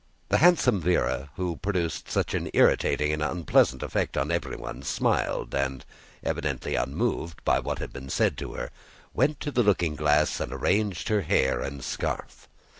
The handsome Véra, who produced such an irritating and unpleasant effect on everyone, smiled and, evidently unmoved by what had been said to her, went to the looking glass and arranged her hair and scarf.